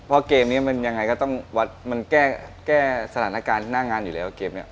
เพราะเกมนี้มันยังไงก็ต้องวัดมันแก้สถานการณ์หน้างานอยู่แล้วเกมเนี่ย